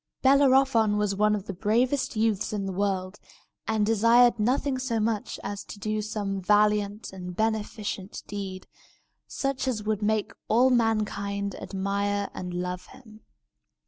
Bellerophon was one of the bravest youths in the world, and desired nothing so much as to do some valiant and beneficent deed, such as would make all mankind admire and love him.